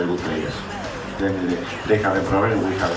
dan kita akan mencoba